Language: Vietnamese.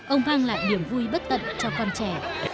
ông mang lại niềm vui bất tận cho con trẻ